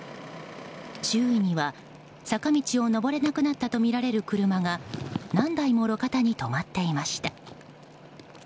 周囲には坂道を上れなくなったとみられる車が何台も路肩に止まっていました。